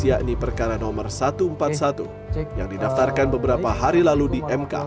yakni perkara nomor satu ratus empat puluh satu yang didaftarkan beberapa hari lalu di mk